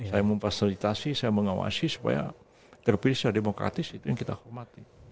saya memfasilitasi saya mengawasi supaya terpilih secara demokratis itu yang kita hormati